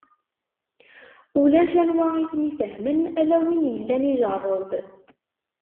Ulac anwa i ten-ifehmen, ala win yellan ijerreb.